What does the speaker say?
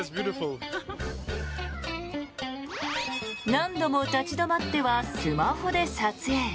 何度も立ち止まってはスマホで撮影。